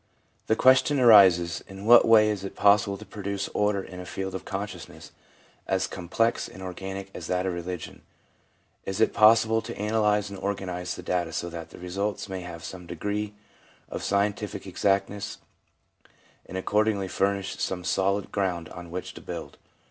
— The question arises, In what way is it possible to produce order in a field of consciousness as complex and organic as that of religion ? Is it pos sible to analyse and organise the data so that the results may have some degree of scientific exactness, and, accordingly, furnish some solid ground on which to build